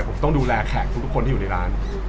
ผมต้องดูแลแขกทุกคนที่อยู่ในร้าน